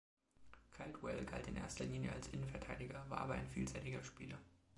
Caldwell galt in erster Linie als Innenverteidiger, war aber ein vielseitiger Spieler.